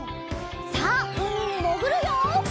さあうみにもぐるよ！